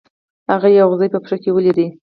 هغه یو اغزی په پښه کې ولید.